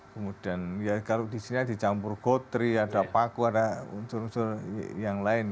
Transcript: kemudian ya kalau di sini dicampur gotri ada paku ada unsur unsur yang lain